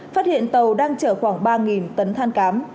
phát hiện tàu đang chở khoảng ba tấn than cám